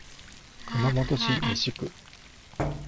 熊本市西区